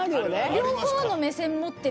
両方の目線持ってる。